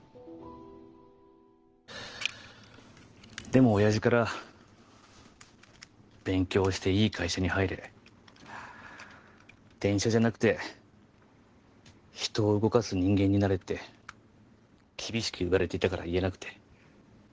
でも親父から「勉強していい会社に入れ」「電車じゃなくて人を動かす人間になれ」って厳しく言われていたから言えなくて。